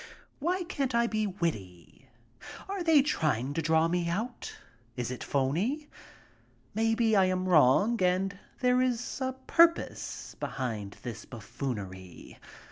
Why can't I be witty? Are they trying to draw me out? Is it phony? Maybe I am wrong and there is a purpose behind this buffoonery.